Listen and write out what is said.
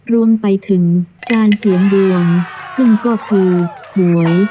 รวมไปถึงการเสี่ยงดวงซึ่งก็คือหวย